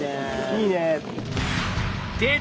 いいねえ。